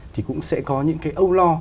thì cũng sẽ có những cái âu lo